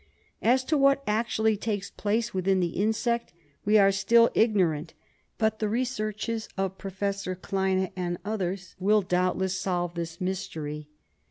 As to what actually takes place within the insect, we are still ignorant, but the researches of Professor Kleine and others will doubtless solve this mystery.